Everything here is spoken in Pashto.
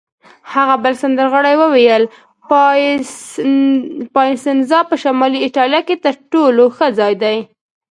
هغه بل سندرغاړي وویل: پایسنزا په شمالي ایټالیا کې تر ټولو ښه ځای دی.